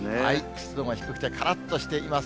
湿度が低くてからっとしています。